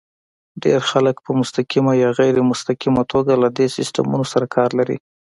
ډېر خلک په مستقیمه یا غیر مستقیمه توګه له دې سیسټمونو سره کار لري.